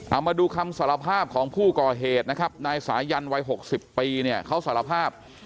เอามาดูคำสารภาพของผู้ก่อเหตุนะครับนายสายันวัย๖๐ปีเนี่ยเขาสารภาพ